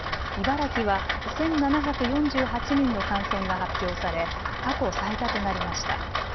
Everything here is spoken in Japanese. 茨城は１７４８人の感染が発表され過去最多となりました。